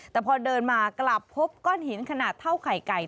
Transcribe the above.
แต่พอเดินมากลับพบก้อนหินขนาดเท่าไข่ไก่